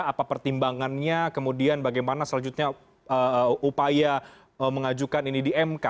apa pertimbangannya kemudian bagaimana selanjutnya upaya mengajukan ini di mk